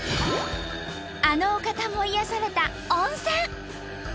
あのお方も癒やされた温泉。